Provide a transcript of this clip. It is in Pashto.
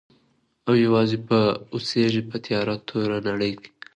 او یوازي به اوسیږي په تیاره توره نړۍ کي.